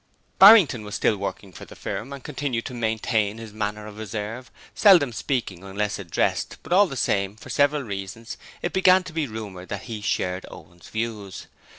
Barrington was still working for the firm and continued to maintain his manner of reserve, seldom speaking unless addressed but all the same, for several reasons, it began to be rumoured that he shared Owen's views.